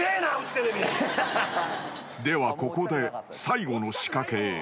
［ではここで最後の仕掛けへ］